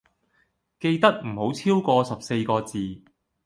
記得唔好超個十四個字